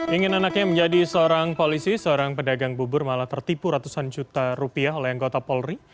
ingin anaknya menjadi seorang polisi seorang pedagang bubur malah tertipu ratusan juta rupiah oleh anggota polri